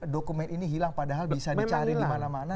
dokumen ini hilang padahal bisa dicari dimana mana